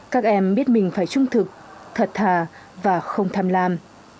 các em biết mình phải trung thực thật thà và không tham lam